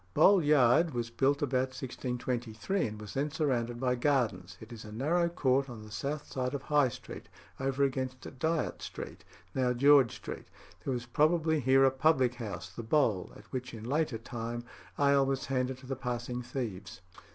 Bowl Yard was built about 1623, and was then surrounded by gardens. It is a narrow court on the south side of High Street, over against Dyot Street, now George Street. There was probably here a public house, the Bowl, at which in later time ale was handed to the passing thieves.